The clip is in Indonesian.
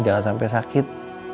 jangan sampai sakit